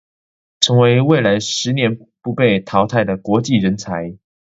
成為未來十年不被淘汰的國際人才